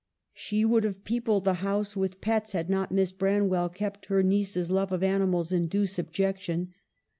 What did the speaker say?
She would have peopled the house with pets had not Miss Bran well kept her niece's love of animals in due sub jection.